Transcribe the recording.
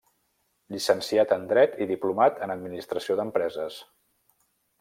Llicenciat en Dret i Diplomat en Administració d'Empreses.